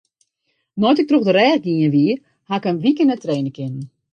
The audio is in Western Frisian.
Nei't ik troch de rêch gien wie, haw ik in wike net traine kinnen.